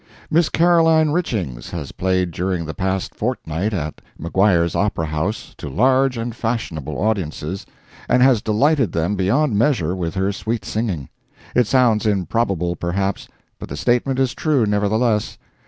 Miss Caroline Richings has played during the past fortnight at Maguire's Opera House to large and fashionable audiences, and has delighted them beyond measure with her sweet singing. It sounds improbable, perhaps, but the statement is true, nevertheless.